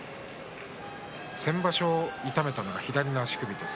先場所、痛めたのは左の足首です。